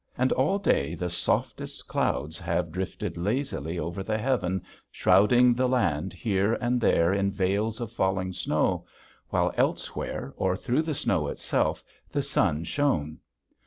And all day the softest clouds have drifted lazily over the heaven shrouding the land here and there in veils of falling snow, while elsewhere or through the snow itself the sun shone.